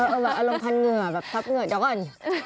เอาแบบอารมณ์พันเหงื่อแบบซับเหงื่อเดี๋ยวก่อน